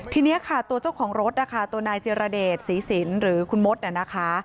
ทีนี้ตัวเจ้าของรถตัวนายเจรเดชศรีศิลป์หรือคุณมดเนี่ยนะคะ